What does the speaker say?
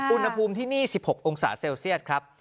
อุณหภูมิที่นี่๑๖องศาเซลเซียตครับ